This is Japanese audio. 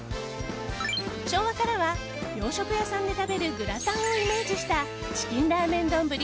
昭和からは洋食屋さんで食べるグラタンをイメージしたチキンラーメンどんぶり